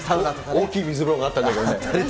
大きい水風呂があったんだけどね。